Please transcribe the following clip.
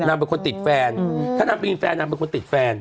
นางเป็นคนติดแฟนถ้านางเป็นคนติดแฟน